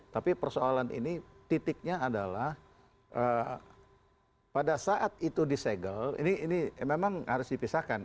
tapi persoalan ini titiknya adalah pada saat itu disegel ini memang harus dipisahkan